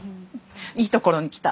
いいところに来た。